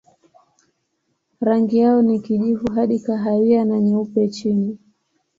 Rangi yao ni kijivu hadi kahawia na nyeupe chini.